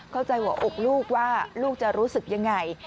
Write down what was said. เข้าใจหัวอกลูกว่าลูกจะรู้สึกยังไง